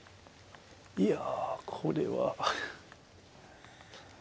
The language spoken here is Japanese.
いやこれは。